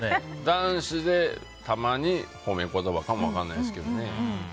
男子でたまに褒め言葉かも分からないですけどね。